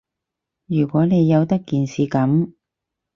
如果你由得件事噉